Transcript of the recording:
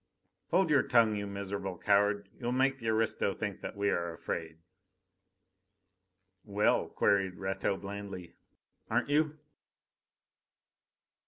"Hold your tongue, you miserable coward! You'll make the aristo think that we are afraid." "Well?" queried Rateau blandly. "Aren't you?"